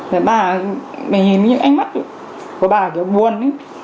bà mình nhìn những ánh mắt của bà kiểu buồn